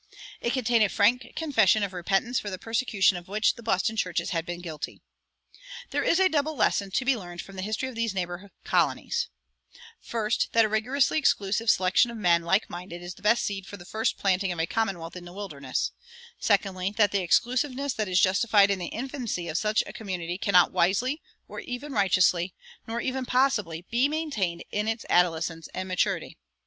It contained a frank confession of repentance for the persecutions of which the Boston churches had been guilty.[107:2] There is a double lesson to be learned from the history of these neighbor colonies: first, that a rigorously exclusive selection of men like minded is the best seed for the first planting of a commonwealth in the wilderness; secondly, that the exclusiveness that is justified in the infancy of such a community cannot wisely, nor even righteously, nor even possibly, be maintained in its adolescence and maturity.